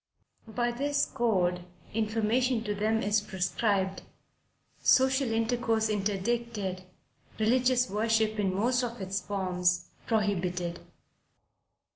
By this code information to them is proscribed, social intercourse interdicted, religious worship in most of its forms prohibited."